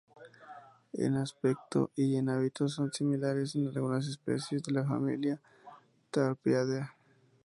En aspecto y en hábitos son similares a algunas especies de la familia Thraupidae.